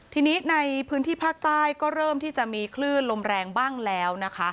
ทีนี้ในพื้นที่ภาคใต้ก็เริ่มที่จะมีคลื่นลมแรงบ้างแล้วนะคะ